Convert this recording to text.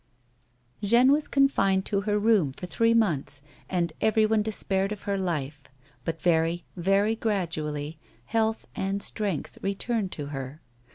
Jeanne was confined to her room for three months and everyone despaired of her life, but very, very gradually health and strength returned to her.